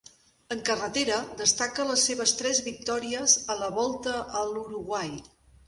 En carretera destaca les seves tres victòries a la Volta a l'Uruguai.